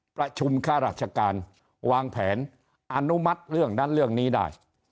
ข้าราชการวางแผนอนุมัติเรื่องนั้นเรื่องนี้ได้